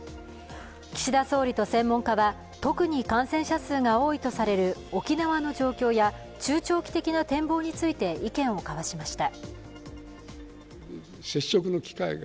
岸田総理と専門家は、特に感染者数が多いとされる沖縄の状況や中長期的な展望について意見を交わしました。